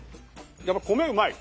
やっぱ米うまい！